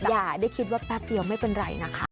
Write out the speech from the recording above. อย่าได้คิดว่าแป๊บเดียวไม่เป็นไรนะคะ